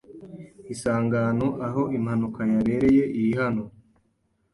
Isangano aho impanuka yabereye iri hano.